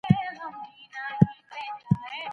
د ټولنپوهنې زده کړه ډېره ګټوره ده.